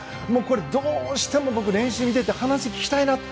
どうしても僕、練習を見ていて話を聞きたいなと。